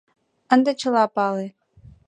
— Ынде чыла пале.